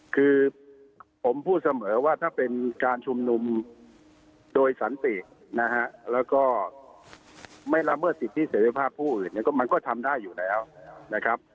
คือผมพูดเสมอว่าถ้าเป็นการชุมนุมโดยสันตินะฮะแล้วก็ไม่ละเมิดสิทธิเสร็จภาพผู้อื่นเนี่ยก็มันก็ทำได้อยู่แล้วนะครับ